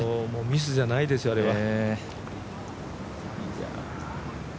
ミスじゃないですよあれは。